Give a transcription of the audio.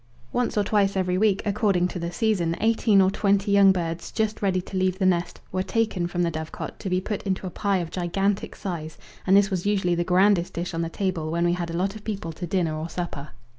Once or twice every week, according to the season, eighteen or twenty young birds, just ready to leave the nest, were taken from the dovecote to be put into a pie of gigantic size, and this was usually the grandest dish on the table when we had a lot of people to dinner or supper.